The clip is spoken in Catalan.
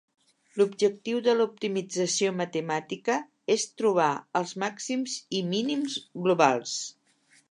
L'objectiu de l'optimització matemàtica és trobar els màxims i mínims globals.